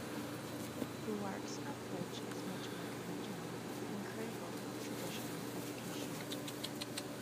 Buarque's approach is much more conventional, uncritical of traditional education.